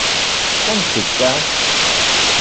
¿Kan tika?